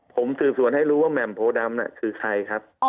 ผมสืบสวนให้รู้ว่าแหม่มโพดำคือใครครับ